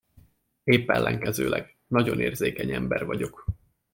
Épp ellenkezőleg, nagyon érzékeny ember vagyok.